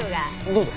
どうぞ。